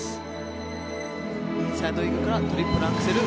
インサイドイーグルからトリプルアクセル。